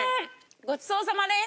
ごちそうさまです。